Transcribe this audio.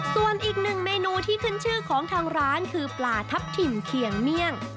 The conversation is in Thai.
ส่วนอีกหนึ่งเมนูที่ขึ้นชื่อของทางร้านคือปลาทับทิมเคียงเมี่ยง